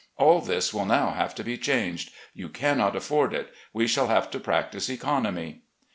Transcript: All this will now have to be changed; you can not afford it ; we shall have to practise economy."